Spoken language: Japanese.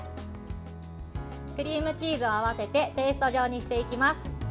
クリームチーズを合わせてペースト状にしていきます。